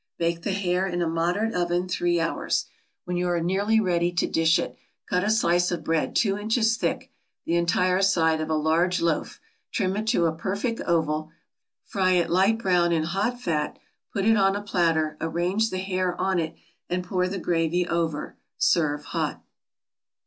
Bake the hare in a moderate oven three hours. When you are nearly ready to dish it, cut a slice of bread two inches thick, the entire side of a large loaf, trim it to a perfect oval, fry it light brown in hot fat, put it on a platter, arrange the hare on it, and pour the gravy over; serve hot.